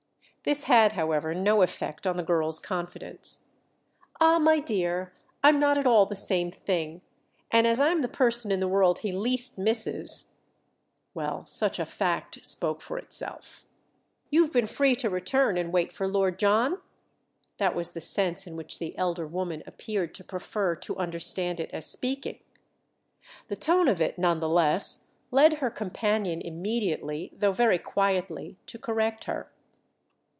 This had, however, no effect on the girl's confidence. "Ah, my dear, I'm not at all the same thing, and as I'm the person in the world he least misses—" Well, such a fact spoke for itself. "You've been free to return and wait for Lord John?"—that was the sense in which the elder woman appeared to prefer to understand it as speaking. The tone of it, none the less, led her companion immediately, though very quietly, to correct her.